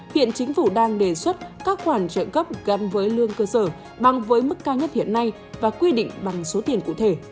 hiện chính phủ đang đề xuất các khoản trợ cấp gắn với lương cơ sở bằng với mức cao nhất hiện nay và quy định bằng số tiền cụ thể